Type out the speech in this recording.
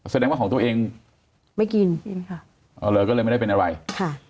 แสดงว่าของตัวเองไม่กินเอาเลยก็เลยไม่ได้เป็นอะไรค่ะ